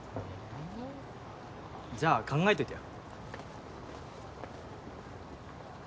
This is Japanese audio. じゃあ考えといてよ。